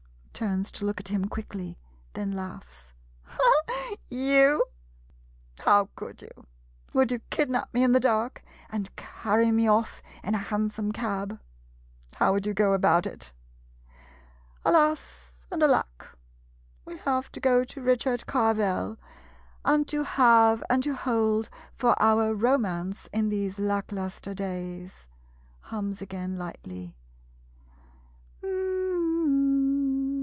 [Turns to look at him quickly, then laughs.] You? How could you? Would you kid nap me in the dark, and carry me off in a hansom cab? How would you go about it? Alas — and alack — we have to go to " Richard Carvel " and " To Have and to Hold " for our romance in these lack luster days! [Hums again lightly.